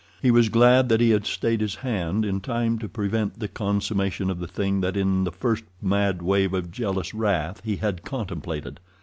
He was glad that he had stayed his hand in time to prevent the consummation of the thing that in the first mad wave of jealous wrath he had contemplated.